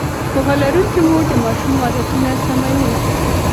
پوهه لرونکې مور د ماشوم عادتونه سموي.